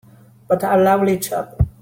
But a lovely chap!